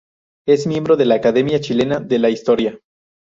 Es miembro de la Academia Chilena de la Historia.